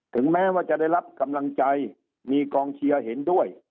ถึงแม้ว่าจะได้รับกำลังใจมีกองเชียร์เห็นด้วย